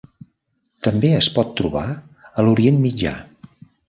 També es pot trobar a l'Orient Mitjà.